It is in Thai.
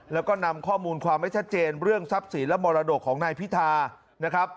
แล้วก็นำข้อมูลความไม่ชัดเจนเรื่องทรัพย์สินและมรดกของนายพิธานะครับ